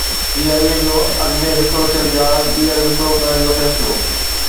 P I A جو اڳ ۾ وڪرو ٿيل جهاز ٻيهر وڪرو ڪرڻ جو فيصلو